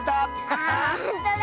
あほんとだ。